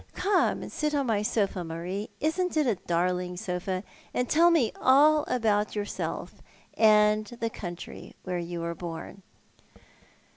Come and sit on my sofa, Marie — isn't it a darling sofa ?— and tell me all about yourself, and the country where you were born."